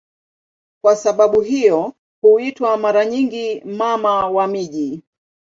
Kwa sababu hiyo huitwa mara nyingi "Mama wa miji".